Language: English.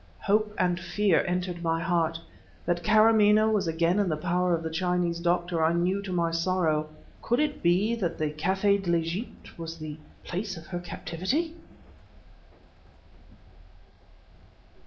Hope and fear entered my heart. That Kâramaneh was again in the power of the Chinese Doctor I knew to my sorrow. Could it be that the Café de l'Egypte was the place of her captivity?